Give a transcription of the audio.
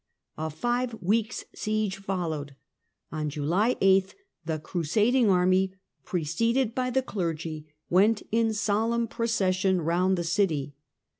A five weeks' siege followed. On July 8 the crusading army, preceded by the clergy, went in solemn procession round the city.